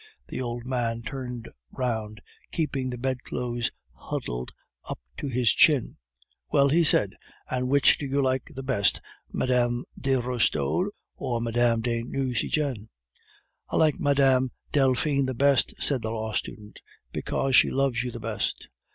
The old man turned round, keeping the bedclothes huddled up to his chin. "Well," he said, "and which do you like the best, Mme. de Restaud or Mme. de Nucingen?" "I like Mme. Delphine the best," said the law student, "because she loves you the best."